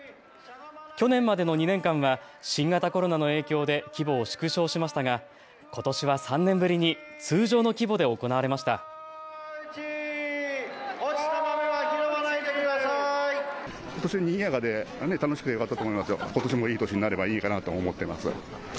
去年までの２年間は新型コロナの影響で規模を縮小しましたがことしは３年ぶりに通常の規模で行われました。